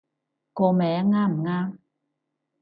個名啱唔啱